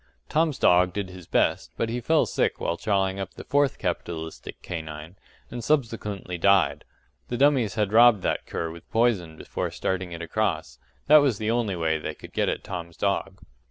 Tom's dog did his best; but he fell sick while chawing up the fourth capitalistic canine, and subsequently died. The dummies had robbed that cur with poison before starting it across that was the only way they could get at Tom's dog.